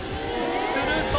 すると